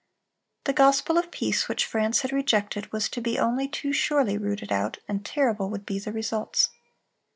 The gospel of peace which France had rejected was to be only too surely rooted out, and terrible would be the results.